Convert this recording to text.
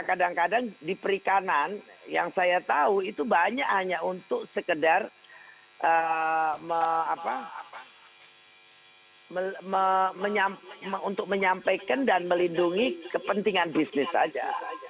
kadang kadang di perikanan yang saya tahu itu banyak hanya untuk sekedar untuk menyampaikan dan melindungi kepentingan bisnis saja